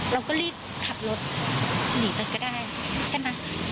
เราก็รีบขับรถหนีไปก็ได้ใช่ไหม